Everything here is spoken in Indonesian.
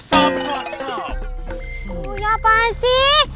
kau punya apaan sih